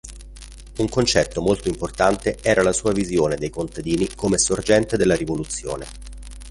Un concetto molto importante era la sua visione dei contadini come sorgente della rivoluzione.